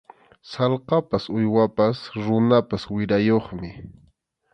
Sallqapas uywapas runapas wirayuqmi.